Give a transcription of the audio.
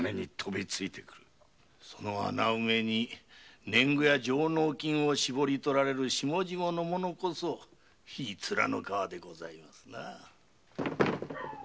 その穴埋めに年貢や上納金をしぼりとられる下々の者こそいい面の皮でございますな。